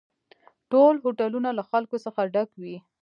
ټول هوټلونه له خلکو څخه ډک وي